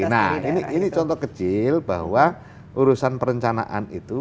nah ini contoh kecil bahwa urusan perencanaan itu